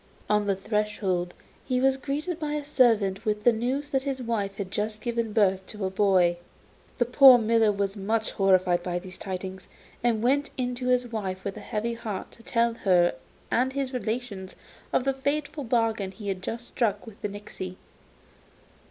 On the threshold he was greeted by a servant with the news that his wife had just given birth to a boy. The poor miller was much horrified by these tidings, and went in to his wife with a heavy heart to tell her and his relations of the fatal bargain he had just struck with the nixy.